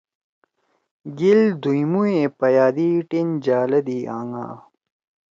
گیل دُومُوئے پَیَادی ٹین جالَدی آنگا